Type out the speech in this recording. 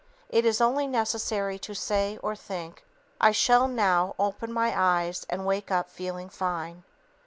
It is only necessary to say or think, "I shall now open my eyes and wake up feeling fine."